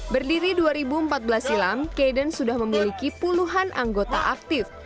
berdiri dua ribu empat belas silam kadon sudah memiliki puluhan anggota aktif